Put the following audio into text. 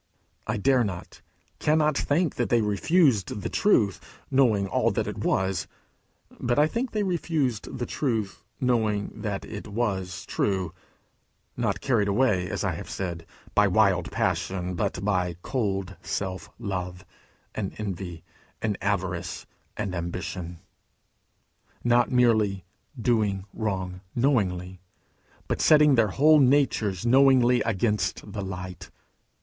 I dare not, cannot think that they refused the truth, knowing all that it was; but I think they refused the truth, knowing that it was true not carried away, as I have said, by wild passion, but by cold self love, and envy, and avarice, and ambition; not merely doing wrong knowingly, but setting their whole natures knowingly against the light.